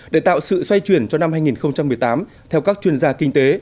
để tạo sự xoay chuyển cho năm hai nghìn một mươi tám theo các chuyên gia kinh tế